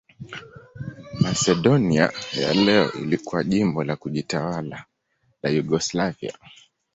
Masedonia ya leo ilikuwa jimbo la kujitawala la Yugoslavia.